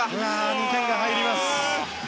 ２点が入ります。